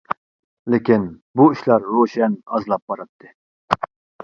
لېكىن، بۇ ئىشلار روشەن ئازلاپ باراتتى.